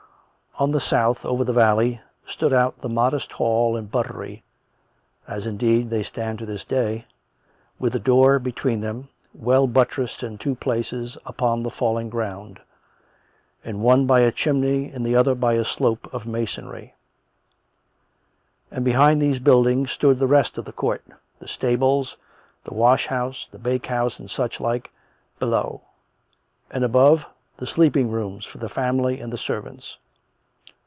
Oh the south, over the valley, stood out the modest hall and buttery (as, indeed, they stand to this day), with a door between them, well buttressed in two places upon the falling ground, in one by a chimney, in the other by a slope of masonry ; and behind these buildings stood the rest of the court, the stables, the wash house, the bake house and such like, below; and, above, the sleeping rooms for the family 55 56 COME RACK! COME ROPE! and the servants.